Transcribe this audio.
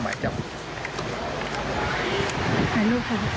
บ้านในมอด